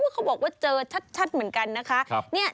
เขาบอกว่าเจอชัดเหมือนกันนะคะ